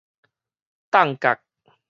㨂甲